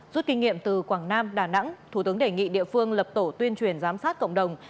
rút kinh nghiệm từ quảng nam đà nẵng thủ tướng đề nghị địa phương lập tổ tuyên truyền giám sát cộng đồng